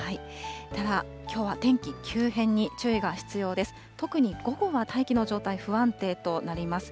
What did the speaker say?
ただ、きょうは天気急変に注意が必要です。